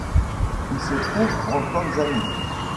Il se trouve en Tanzanie.